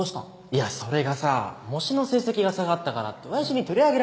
いやそれがさ模試の成績が下がったからって親父に取り上げられちまって